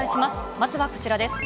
まずはこちらです。